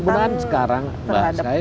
ya mudah mudahan sekarang mbak